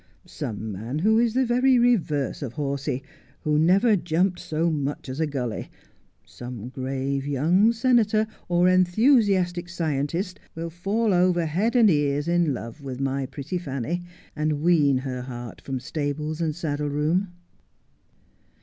Some man who is the very reverse of horsey — who never jumped so much as a gully — some grave young senator or enthusiastic scientist will fall over head and ears in love with my pretty Fanny, and wean her heart from stables and saddle room.'